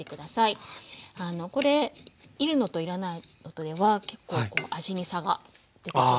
これ煎るのと煎らないのとでは結構味に差が出てきますので。